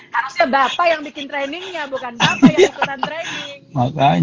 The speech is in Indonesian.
harusnya bapak yang bikin trainingnya bukan bapak yang ikutan training